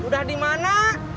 lu udah dimana